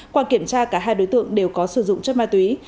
qua kiểm tra cả hai đối tượng đều có sử dụng chất ma túy